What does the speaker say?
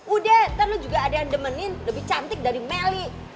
udah ntar lo juga ada yang demenin lebih cantik dari meli